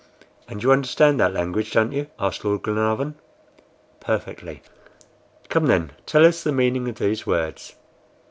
"And you understand that language, don't you?" asked Lord Glenarvan. "Perfectly." "Come, then, tell us the meaning of these words."